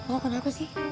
oh karena apa sih